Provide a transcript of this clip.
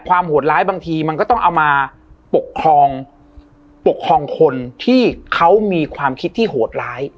โหดร้ายบางทีมันก็ต้องเอามาปกครองปกครองคนที่เขามีความคิดที่โหดร้าย